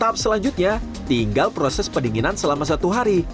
tahap selanjutnya tinggal proses pendinginan selama satu hari